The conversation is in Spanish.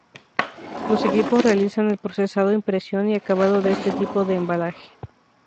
Los equipos realizan el procesado, impresión y acabado de este tipo de embalaje.